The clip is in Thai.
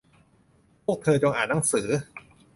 พวกเธอจงอ่านหนังสือ